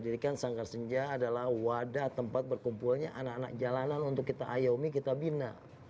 dirikan sangkar senja adalah wadah tempat berkumpulnya anak anak jalanan untuk kita ayomi kita bina